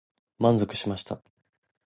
満足しました。